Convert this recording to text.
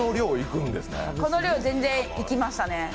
この量、全然いきましたね。